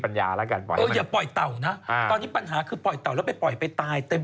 เขาเต่าเขาไม่ได้อยู่ในนั้น